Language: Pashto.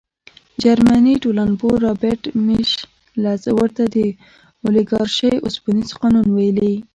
جرمني ټولنپوه رابرټ میشلز ورته د اولیګارشۍ اوسپنیز قانون ویلي.